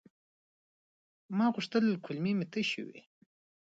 ما غوښتل کولمې مې تشي وي.